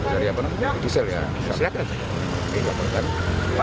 kita akan melakukan